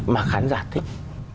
mà khán giả thích